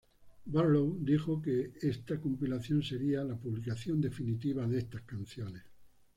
Barlow dijo que esta compilación sería "la publicación definitiva de estas canciones".